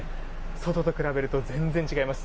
外と比べると全然違います。